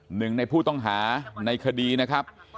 หนึ่งในผู้ต้องหาในคดีนะครับ